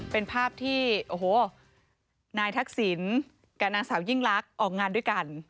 เป็นภาพที่โอ้โหนายทักษิณกับนางสาวยิ่งลักษณ์ออกงานด้วยกัน